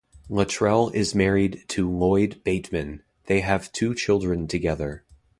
Luttrell is married to Loyd Bateman; they have two children together.